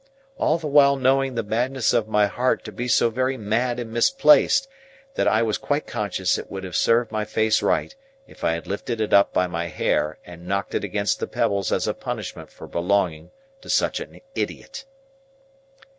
All the while knowing the madness of my heart to be so very mad and misplaced, that I was quite conscious it would have served my face right, if I had lifted it up by my hair, and knocked it against the pebbles as a punishment for belonging to such an idiot.